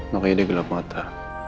makanya dia gelap mata